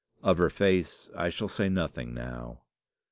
Of her face I shall say nothing now.